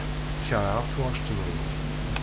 Keṛheɣ tuɣac-nwen.